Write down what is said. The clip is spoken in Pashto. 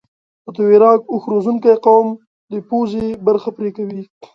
د تویراګ اوښ روزنکي قوم د پوزه برخه پرې کوي.